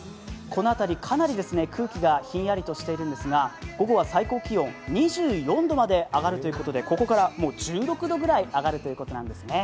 この辺り、かなり空気がひんやりとしているんですが午後は最高気温２４度まで上がるということでここから１６度ぐらい上がるということなんですね。